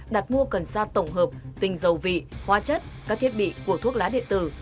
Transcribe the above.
đặt mua cần sa tổng hợp tinh dầu vị hoa chất các thiết bị của thuốc lá điện tử